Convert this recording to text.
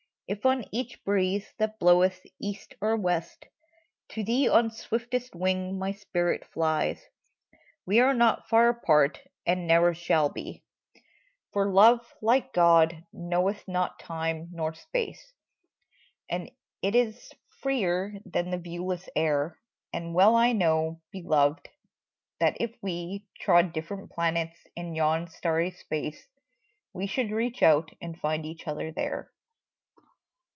If, on each breeze that bloweth east or west, To thee, on swiftest wing, my spirit flies ? We are not far apart, and ne'er shall be ! 248 TO ZULMA For Love, like God, knoweth not time, nor space, And it is freer than the viewless air ; And well I know, beloved, that if we Trod different planets in yon starry space We should reach out, and find each other there